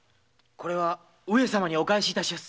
これは上様にお返しいたします。